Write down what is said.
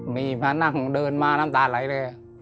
มานั่งเดินมาร่ำตาไหลแหละ